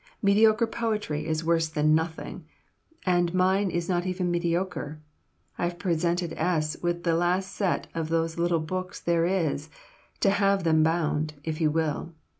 Mediocre poetry is worse than nothing, and mine is not even mediocre. I have presented S. with the last set of those little books there is, to have them bound, if he will.